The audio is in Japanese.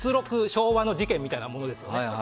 昭和の事件みたいなものですね。